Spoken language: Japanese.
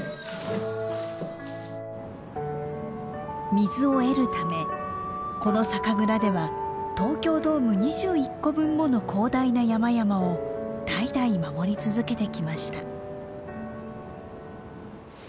水を得るためこの酒蔵では東京ドーム２１個分もの広大な山々を代々守り続けてきました。